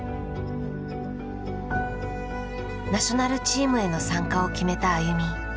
ナショナルチームへの参加を決めたＡＹＵＭＩ。